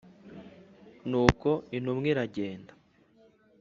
Nuko intumwa iragenda